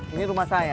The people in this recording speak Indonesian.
ini rumah saya